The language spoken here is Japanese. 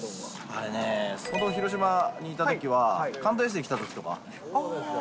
あれね、広島にいたときは、関東遠征来たときとか。